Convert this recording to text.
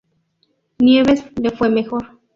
Nieves le fue mejor.